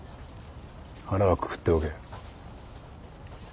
腹はくくっておけ。